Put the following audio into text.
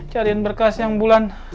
cariin berkas yang bulan